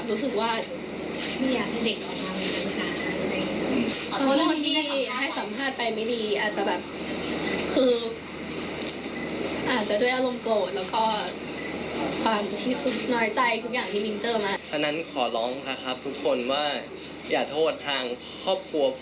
แต่ละตอนนี้คือเรื่องหนักลองไม่ได้คิดหรอสักหน้า